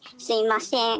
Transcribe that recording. すいません。